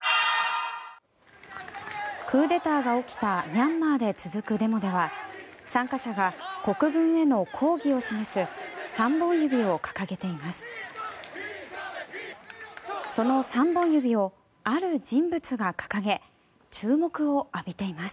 クーデターが起きたミャンマーで続くデモでは参加者が国軍への抗議を示す３本指を掲げています。